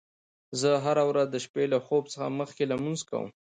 زه هره ورځ د شپې له خوب څخه مخکې لمونځ کوم